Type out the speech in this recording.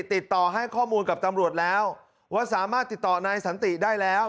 ติดต่อให้ข้อมูลกับตำรวจแล้วว่าสามารถติดต่อนายสันติได้แล้ว